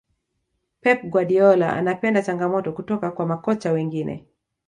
pep guardiola anapenda changamoto kutoka kwa makocha wengine